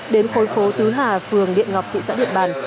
đến khối phố tứ hà phường điện ngọc thị xã điện bàn